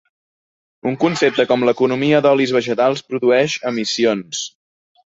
Un concepte com l'economia d'olis vegetals produeix emissions.